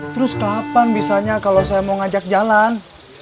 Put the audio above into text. terus kapan bisanya kalau saya mau ngajak jalan